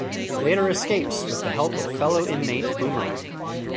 He later escapes with the help of fellow inmate Boomerang.